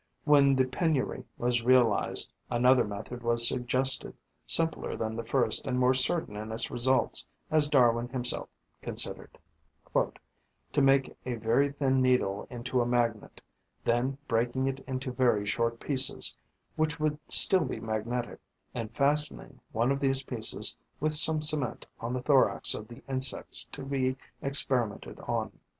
When this penury was realised, another method was suggested, simpler than the first and more certain in its results, as Darwin himself considered: 'To make a very thin needle into a magnet; then breaking it into very short pieces, which would still be magnetic, and fastening one of these pieces with some cement on the thorax of the insects to be experimented on.